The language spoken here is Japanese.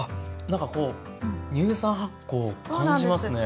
なんかこう乳酸発酵を感じますね。